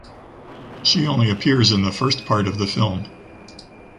She only appears in the first part of the film.